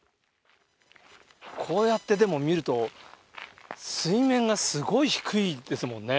こうやって見ると、水面がすごい低いですもんね。